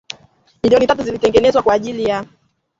Milioni tatu zilizotengwa kwa ajili ya